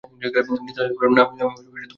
নিসার আলি বললেন, না, আমি সোনার দাঁত কিনব না।